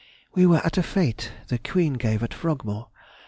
_—We were at a fête the Queen gave at Frogmore.